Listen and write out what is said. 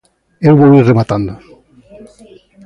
E vou ir rematando.